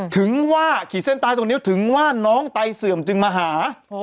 ถึงว่าขีดเส้นตายตรงนี้ถึงว่าน้องไตเสื่อมจึงมาหา